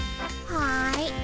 はい。